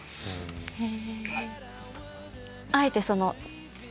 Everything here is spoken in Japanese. あえてその。